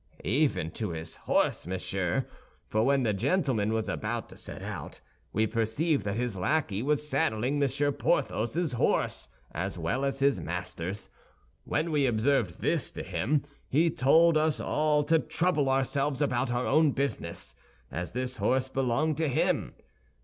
"Even to his horse, monsieur; for when the gentleman was about to set out, we perceived that his lackey was saddling Monsieur Porthos's horse, as well as his master's. When we observed this to him, he told us all to trouble ourselves about our own business, as this horse belonged to him.